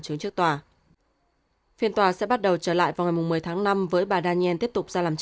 trướng trước tòa phiên tòa sẽ bắt đầu trở lại vào ngày một mươi tháng năm với bà daniel tiếp tục ra làm